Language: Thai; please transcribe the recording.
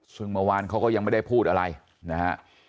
ซึ่งเมื่อวานเขาก็ยังไม่ได้พูดอะไรนะฮะ